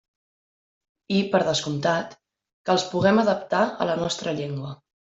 I, per descomptat, que els puguem adaptar a la nostra llengua.